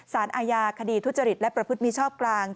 สารอาญาคดีทุจริตและประพฤติมิชอบกลาง